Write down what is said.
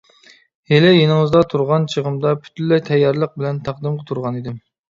ھېلى يېنىڭىزدا تۇرغان چېغىمدا پۈتۈنلەي تەييارلىق بىلەن تەقدىم تۇرغانىدىم.